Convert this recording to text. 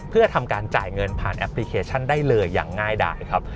เพื่อทำการจ่ายเงินผ่านแอปพลิเคชันได้เลยอย่างง่ายได้ครับ